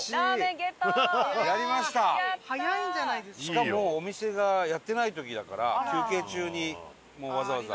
しかもお店がやってない時だから休憩中にもうわざわざ。